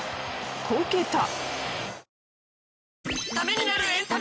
こけた。